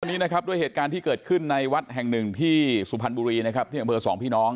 วันนี้นะครับด้วยเหตุการณ์ที่เกิดขึ้นในวัดแห่งหนึ่งที่สุพรรณบุรีนะครับที่อำเภอสองพี่น้อง